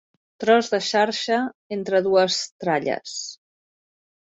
Tros de xarxa entre dues tralles.